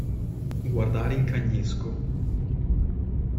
Guardare in cagnesco.